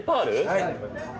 はい。